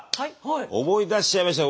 思い出しちゃいましたよ